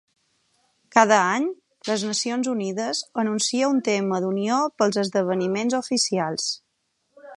Cada any, les Nacions Unides anuncia un tema d'unió pels esdeveniments oficials.